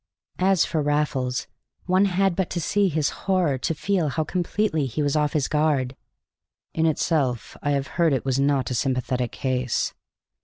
As for Raffles, one had but to see his horror to feel how completely he was off his guard. "In itself, I have heard, it was not a sympathetic case?"